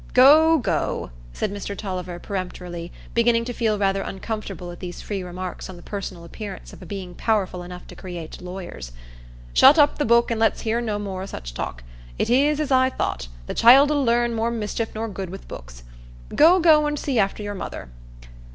"Go, go!" said Mr Tulliver, peremptorily, beginning to feel rather uncomfortable at these free remarks on the personal appearance of a being powerful enough to create lawyers; "shut up the book, and let's hear no more o' such talk. It is as I thought—the child 'ull learn more mischief nor good wi' the books. Go, go and see after your mother."